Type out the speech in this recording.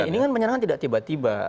ini kan menyerang tidak tiba tiba